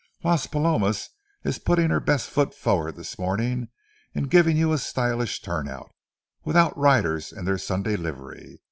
Las Palomas is putting her best foot forward this morning in giving you a stylish turnout, with outriders in their Sunday livery.